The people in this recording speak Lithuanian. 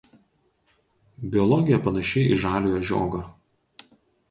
Biologija panaši į žaliojo žiogo.